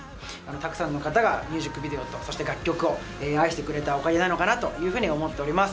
たくさんの方がミュージックビデオと、そして楽曲を愛してくれたおかげなのかなというふうに思っております。